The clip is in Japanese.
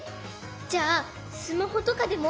じゃあスマホとかでも？